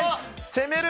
攻める。